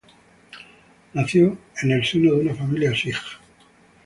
Nació en una familia sij.